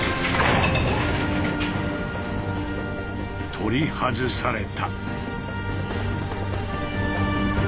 取り外された。